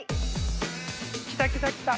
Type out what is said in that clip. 来た来た来た。